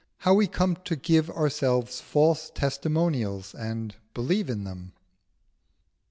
HOW WE COME TO GIVE OURSELVES FALSE TESTIMONIALS, AND BELIEVE IN THEM.